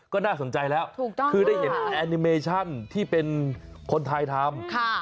ก็น่าสนใจแล้วถูกต้องคือได้เห็นแอนิเมชั่นที่เป็นคนไทยทำ